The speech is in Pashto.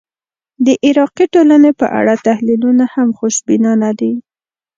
د عراقي ټولنې په اړه تحلیلونه هم خوشبینانه دي.